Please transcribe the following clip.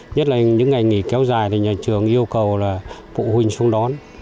nhất là những ngày nghỉ kéo dài thì nhà trường yêu cầu là phụ huynh xuống đón